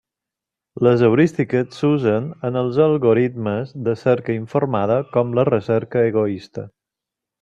Les heurístiques s'usen en els algoritmes de cerca informada com la recerca egoista.